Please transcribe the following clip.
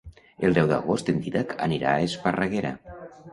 El deu d'agost en Dídac anirà a Esparreguera.